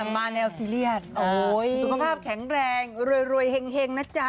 มาแนวซีเรียสสุขภาพแข็งแรงรวยเฮ็งนะจ๊ะ